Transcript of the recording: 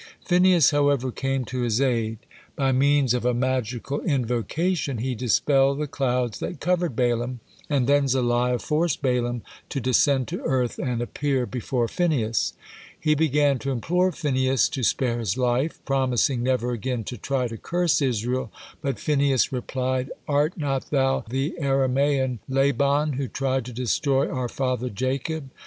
Phinehas, however, came to his aid. By means of a magical invocation he dispelled the clouds that covered Balaam, and then Zaliah forced Balaam to descend to earth and appear before Phinehas. He began to implore Phinehas to spare his life, promising never again to try to curse Israel, but Phinehas replied: "Art not thou the Aramean Laban who tried to destroy our father Jacob?